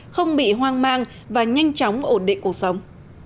không bị hoang mang và nhanh chóng ổn định cuộc sống